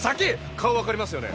顔わかりますよね？